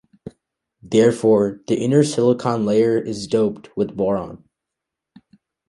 Therefore, the inner silicon layer is doped with boron.